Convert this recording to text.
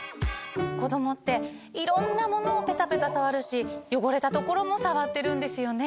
こどもっていろんなものをペタペタ触るし汚れた所も触ってるんですよね。